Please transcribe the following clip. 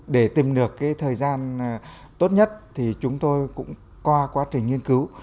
để tìm được thời gian tốt nhất chúng tôi cũng qua quá trình nghiên cứu